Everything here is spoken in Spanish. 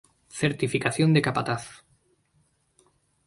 Certificación de Capataz.